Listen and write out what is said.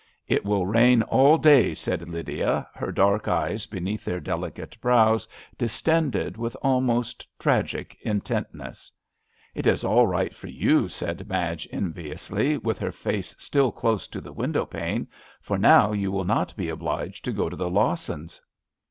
"It will rain all day," said Lydia^ her dark eyes, beneath their delicate brows, distended with almost tragic intentness. " It is all right for you," said Madge, enviously^ with her face still close to the window pane^ for now you will not be obliged to go to the Lawsons."